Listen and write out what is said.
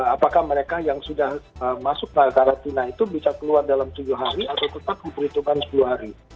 apakah mereka yang sudah masuk ke karantina itu bisa keluar dalam tujuh hari atau tetap diperhitungkan sepuluh hari